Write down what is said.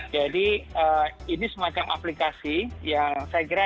jadi ini semacam aplikasi yang saya genggam